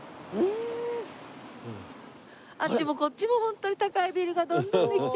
あっちもこっちもホントに高いビルがどんどんできて。